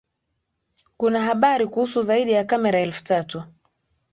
kuna habari kuhusu zaidi ya kamera elfu tatu